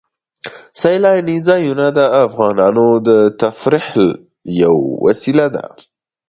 سیلانی ځایونه د افغانانو د تفریح یوه وسیله ده.